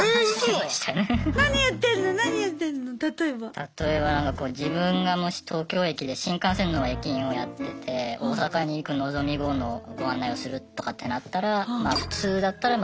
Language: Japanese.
例えばなんかこう自分がもし東京駅で新幹線の駅員をやってて大阪に行くのぞみ号のご案内をするとかってなったらまあ普通だったらまあ